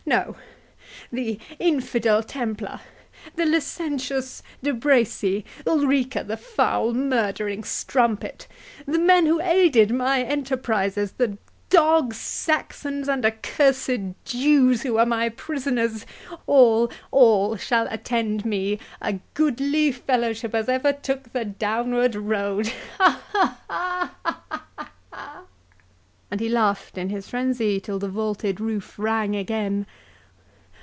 —No—the infidel Templar—the licentious De Bracy—Ulrica, the foul murdering strumpet—the men who aided my enterprises—the dog Saxons and accursed Jews, who are my prisoners—all, all shall attend me—a goodly fellowship as ever took the downward road—Ha, ha, ha!" and he laughed in his frenzy till the vaulted roof rang again.